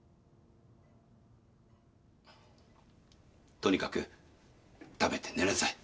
とにかく食べて寝なさい。